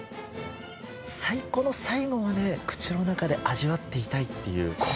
最後の最後まで口の中で味わっていたいっていう。